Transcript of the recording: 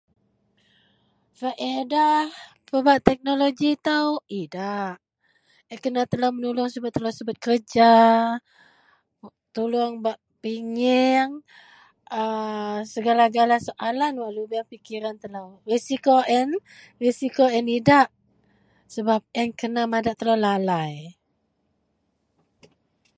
Paedah pebak teknoloji itou idak, a yen kena madak telou menulong telou subet kerja, tuluong bak pinyeang aa segala-gala soalan wak lubeang pikiran telou. Risiko a yen, risiko yen idak sebab a yen kena madak telou lalai